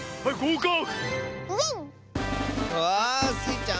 うわあ！スイちゃん